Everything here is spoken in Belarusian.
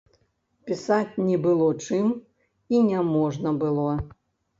Пісаць не было чым, і няможна было.